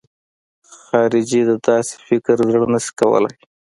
خارجي د داسې فکر زړه نه شي کولای.